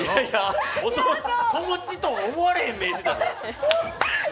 子持ちとは思われへん目してたで。